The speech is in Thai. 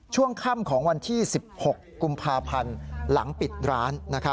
ช่วงคำของวันที่๑๖กพจหลังปิดร้าน